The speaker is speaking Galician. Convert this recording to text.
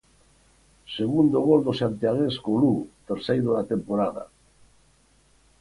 Segundo gol do santiagués co Lugo, terceiro da temporada.